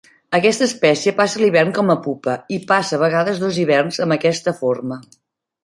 Aquesta espècie passa l'hivern com a pupa i de passa vegades dos hiverns amb aquesta forma.